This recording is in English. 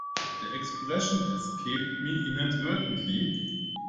The expression escaped me inadvertently.